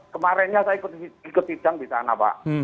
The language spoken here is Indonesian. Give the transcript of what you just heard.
kemarinnya saya ikut sidang di sana pak